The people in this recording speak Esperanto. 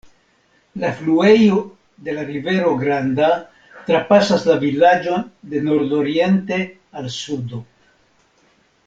La fluejo de la Rivero Granda trapasas la vilaĝon de nordoriente al sudo.